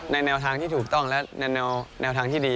แนวทางที่ถูกต้องและในแนวทางที่ดี